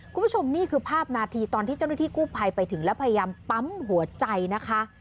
คุณผู้ชมนี่คือภาพนาทีตอนที่เจ้าหน้าที่กู้ภัยไปถึงแล้วพยายามปั๊มหัวใจนะคะ